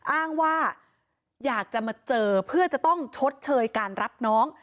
อ้างว่าอยากจะมาเจอเพื่อจะต้องชดเชยการรับน้อง